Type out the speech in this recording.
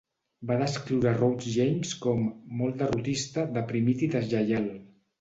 Va descriure a Rhodes James com "molt derrotista, deprimit i deslleial".